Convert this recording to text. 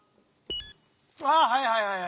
ああはいはいはい。